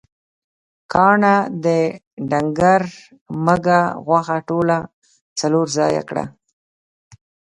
کاڼهٔ د ډنګر مږهٔ غوښه ټوله څلور ځایه کړه.